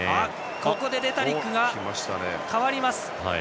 ここでレタリックが代わります。